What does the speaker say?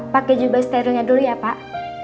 pakai juga sterilnya dulu kak